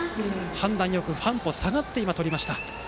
判断よく、半歩下がってとりました。